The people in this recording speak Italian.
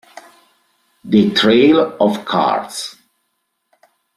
The Trail of Cards